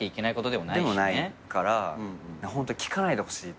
でもないからホント聞かないでほしい。